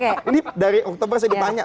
ini dari oktober sampai depannya